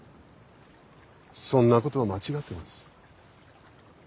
そんなことは間違ってます。